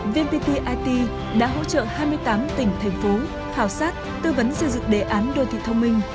vnpt it đã hỗ trợ hai mươi tám tỉnh thành phố khảo sát tư vấn xây dựng đề án đô thị thông minh